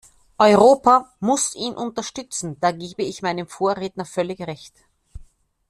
Europa muss ihn unterstützen, da gebe ich meinem Vorredner völlig Recht.